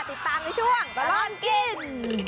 ติดตามในช่วงตลอดกิน